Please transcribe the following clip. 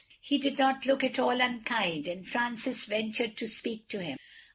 He did not look at all unkind, and Francis ventured to speak to him.